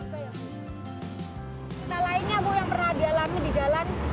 bisa lainnya bu yang pernah di alami di jalan